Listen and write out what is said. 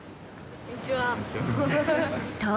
こんにちは。